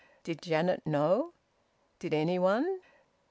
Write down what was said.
Did Janet know? Did anyone?